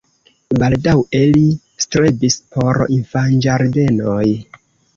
Baldaŭe li strebis por infanĝardenoj.